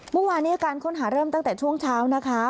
เมื่อวานการค้นหาเริ่มตั้งแต่ช่วงเช้านะคะ